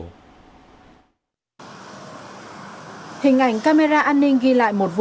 hình ảnh camera an ninh ghi lại một vụ